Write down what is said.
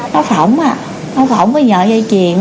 nó phổng à nó phổng với sợi dây triền